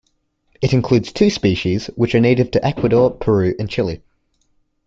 It includes two species, which are native to Ecuador, Peru and Chile.